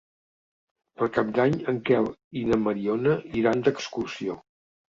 Per Cap d'Any en Quel i na Mariona iran d'excursió.